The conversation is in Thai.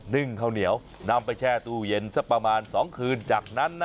ึ่งข้าวเหนียวนำไปแช่ตู้เย็นสักประมาณ๒คืนจากนั้นนะ